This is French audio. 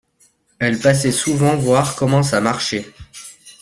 Elle passait souvent voir comment ça marchait